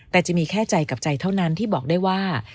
แต่จะมีแค่ใจกับใจเท่านั้นที่บอกได้ว่า